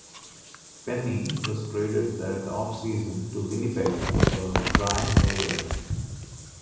Penney was traded that offseason to Winnipeg for Brian Hayward.